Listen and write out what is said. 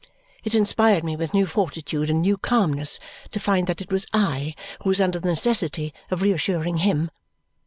It inspired me with new fortitude and new calmness to find that it was I who was under the necessity of reassuring him.